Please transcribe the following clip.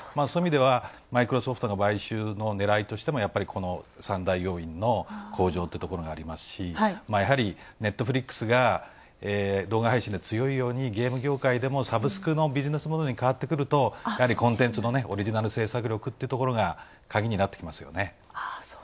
そういう意味ではマイクロソフトの買収のねらいとしてもやっぱり、この３大要因の向上というところがありますしやはり、Ｎｅｔｆｌｉｘが動画配信で強いようにゲーム業界でもサブスクのビジネスモデルに変わってくると、やはりコンテンツのオリジナル制作力というところが鍵になってきますよね。